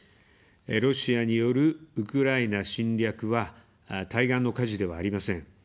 ロシアによるウクライナ侵略は対岸の火事ではありません。